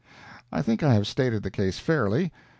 I think I have stated the case fairly.